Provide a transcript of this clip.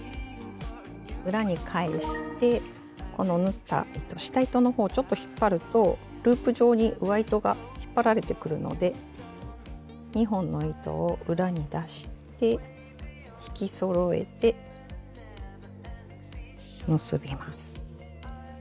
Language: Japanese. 裏に返してこの縫った糸下糸の方をちょっと引っ張るとループ状に上糸が引っ張られてくるので２本の糸を裏に出して引きそろえて結びます。